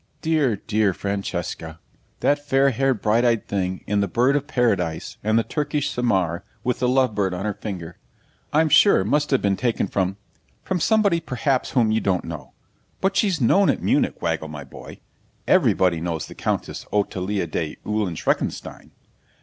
Dear, dear Francesca! That fair haired, bright eyed thing in the Bird of Paradise and the Turkish Simar with the love bird on her finger, I'm sure must have been taken from from somebody perhaps whom you don't know but she's known at Munich, Waggle my boy, everybody knows the Countess Ottilia de Eulenschreckenstein.